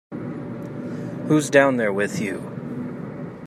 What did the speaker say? Who's down there with you?